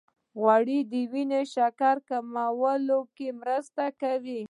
غوړې د وینې شکر کمولو کې مرسته کوي.